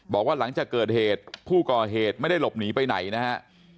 บอกว่าหลังจากเกิดเหตุผู้ก่อเหตุไม่ได้หลบหนีไปไหนนะฮะ